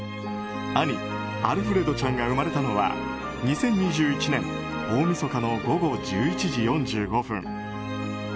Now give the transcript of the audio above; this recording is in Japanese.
兄アルフレドちゃんが生まれたのは２０２１年大みそかの午後１１時４５分。